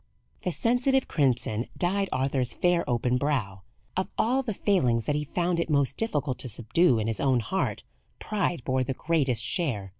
The sensitive crimson dyed Arthur's fair open brow. Of all the failings that he found it most difficult to subdue in his own heart, pride bore the greatest share.